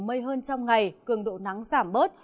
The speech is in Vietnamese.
mây hơn trong ngày cường độ nắng giảm bớt